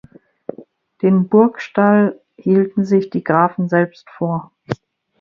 Den Burgstall hielten sich die Grafen selbst vor.